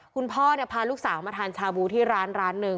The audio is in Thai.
คุณพ่อพาลูกสาวมาทานชาบูที่ร้านร้านหนึ่ง